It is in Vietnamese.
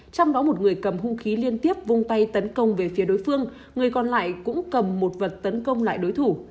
trong đó một người cầm hung khí liên tiếp vung tay tấn công về phía đối phương người còn lại cũng cầm một vật tấn công lại đối thủ